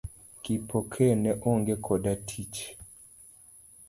Kipokeo ne onge koda tich.